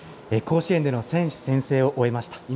甲子園での選手宣誓を終えました。